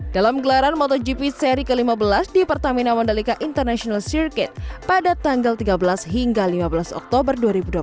dalam gelaran motogp seri ke lima belas di pertamina mandalika international circuit pada tanggal tiga belas hingga lima belas oktober dua ribu dua puluh tiga